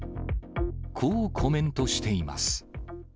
こうコメントしています。